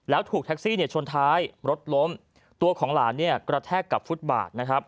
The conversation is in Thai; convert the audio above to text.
แล้วถูกแท็กซี่เนี่ยชนท้ายรถล้มตัวของหลานเนี่ยกระแทกกับฟุตบาทนะครับ